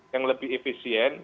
yang lebih efisien